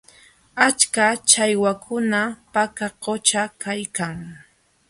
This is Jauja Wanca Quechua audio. Achka challwakuna Paka qućha kaykan.